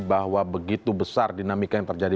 bahwa begitu besar dinamika yang terjadi